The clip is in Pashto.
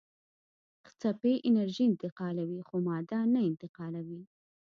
څپې انرژي انتقالوي خو ماده نه انتقالوي.